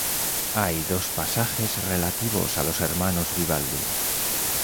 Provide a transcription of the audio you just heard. Hay dos pasajes relativos a los hermanos Vivaldi.